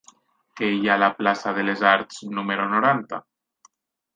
Què hi ha a la plaça de les Arts número noranta?